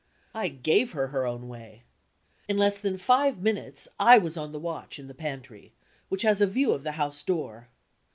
I gave her her own way. In less than five minutes I was on the watch in the pantry, which has a view of the house door.